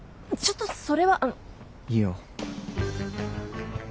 ちょっとそれは。いいよ。